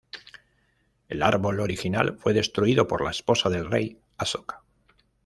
El árbol original fue destruido por la esposa del rey Ashoka.